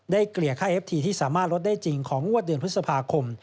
เกลี่ยค่าเอฟทีที่สามารถลดได้จริงของงวดเดือนพฤษภาคม